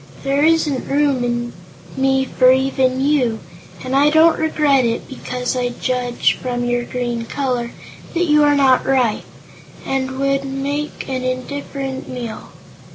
There isn't room in me for even you, and I don't regret it because I judge, from your green color, that you are not ripe, and would make an indifferent meal.